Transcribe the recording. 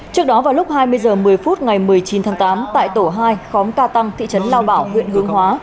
trước đó vào lúc hai mươi h một mươi phút ngày một mươi chín tháng tám tại tổ hai khóm ca tăng thị trấn lao bảo huyện hướng hóa